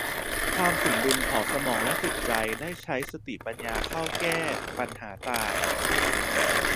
ความสมดุลของสมองและจิตใจได้ใช้สติปัญญาเข้าแก้ปัญหาต่าง